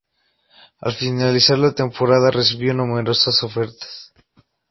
Al finalizar la temporada recibió numerosas ofertas.